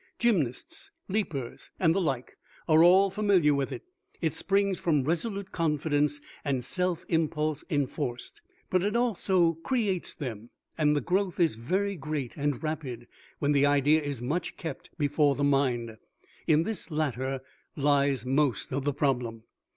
Gymnasts, leapers and the like are all familiar with it. It springs from resolute confidence and self impulse enforced; but it also creates them, and the growth is very great and rapid when the idea is much kept before the mind. In this latter lies most of the problem.